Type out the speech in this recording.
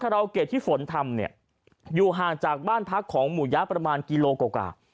ราวเกดที่ฝนทำเนี่ยอยู่ห่างจากบ้านพักของหมู่ยะประมาณกิโลกว่า